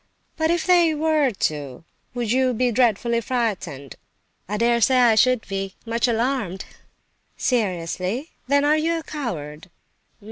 "But if they were to, would you be dreadfully frightened?" "I dare say I should be—much alarmed!" "Seriously? Then are you a coward?"